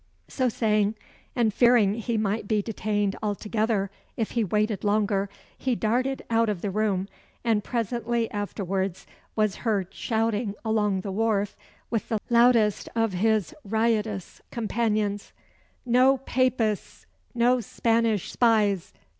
So saying, and fearing he might be detained altogether if he waited longer, he darted out of the room, and presently afterwards was heard shouting along the wharf with the loudest of his riotous companions "No Papists! No Spanish spies!